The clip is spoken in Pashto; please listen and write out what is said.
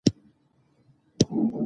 د هر کار پیل یو څه ستونزمن وي.